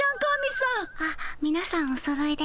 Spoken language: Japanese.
あっみなさんおそろいで。